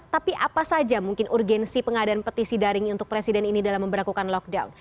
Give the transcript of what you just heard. tapi apa saja mungkin urgensi pengadaan petisi daring untuk presiden ini dalam memperlakukan lockdown